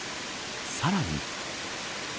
さらに。